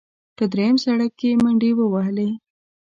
په درېیم سړک کې منډې ووهلې.